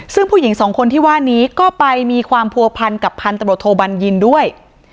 ซึ่งผู้หญิงสองคนที่ว่านี้ก็ไปมีความผัวพันกับพันธบทโทบัญญินด้วย